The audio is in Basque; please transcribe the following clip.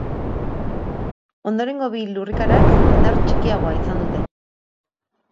Ondorengo bi lurrikarak indar txikiagoa izan dute.